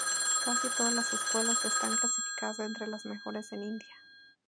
Casi todas las escuelas están clasificadas entre las mejores en India.